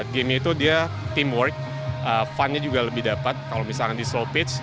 gamenya itu dia teamwork funnya juga lebih dapat kalau misalkan di slow pitch